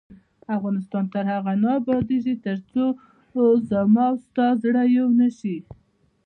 افغانستان تر هغو نه ابادیږي، ترڅو زما او ستا زړه یو نشي.